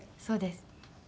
そうです。